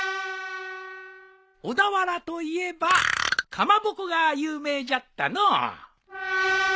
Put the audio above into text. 小田原といえばかまぼこが有名じゃったのう。